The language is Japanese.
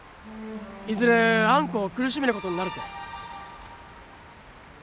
いずれあんこを苦しめることになるて。